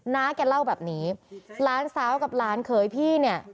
น้าแกเล่าแบบนี้หลานสาวกับหลานเขยพี่เนี่ย